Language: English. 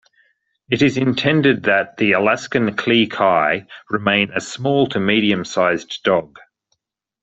It is intended that the Alaskan Klee Kai remain a small to medium-sized dog.